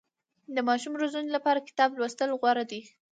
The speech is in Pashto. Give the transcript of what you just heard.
د ماشوم روزنې لپاره کتاب لوستل غوره دي.